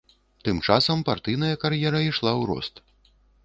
Тым часам партыйная кар'ера ішла ў рост.